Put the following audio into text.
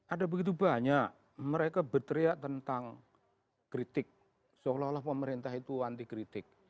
ada begitu banyak mereka berteriak tentang kritik seolah olah pemerintah itu anti kritik